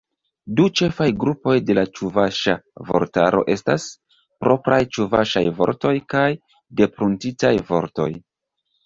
Du ĉefaj grupoj de la ĉuvaŝa vortaro estas: propraj ĉuvaŝaj vortoj kaj depruntitaj vortoj.